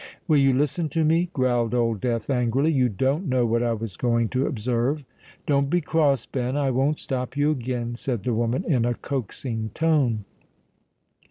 "Will you listen to me?" growled Old Death angrily: "you don't know what I was going to observe." "Don't be cross, Ben: I won't stop you again," said the woman in a coaxing tone.